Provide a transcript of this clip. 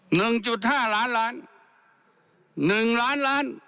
หนึ่งจุดห้าล้านล้านหนึ่งล้านล้าน